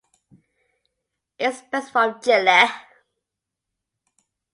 It spreads from Jl.